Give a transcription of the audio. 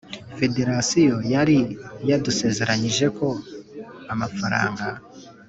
Federasiyo yari yadusezeranyije ko amafaranga